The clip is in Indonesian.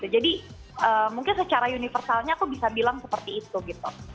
jadi mungkin secara universalnya aku bisa bilang seperti itu gitu